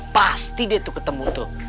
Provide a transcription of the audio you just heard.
pasti dia tuh ketemu tuh